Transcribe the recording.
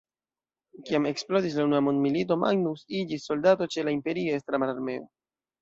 Kiam eksplodis la Unua mondmilito Magnus iĝis soldato ĉe la Imperiestra mararmeo.